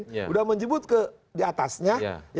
sudah menyebut ke diatasnya